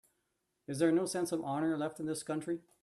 Is there no sense of honor left in this country?